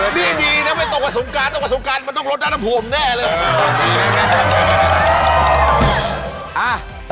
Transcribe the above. นี่ดีนะเว้ยตรงกับสุงการตรงกับสุงการมันต้องลดต้านภูมิแน่เลย